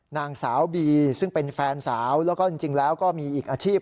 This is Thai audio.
นางสาวบีซึ่งเป็นแฟนสาวแล้วก็จริงแล้วก็มีอีกอาชีพ